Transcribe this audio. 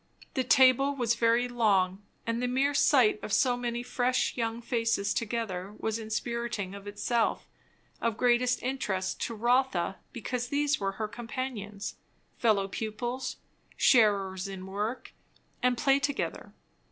The table was very long; and the mere sight of so many fresh young faces together was inspiriting of itself; of greatest interest to Rotha because these were her companions, fellow pupils, sharers in work and play together.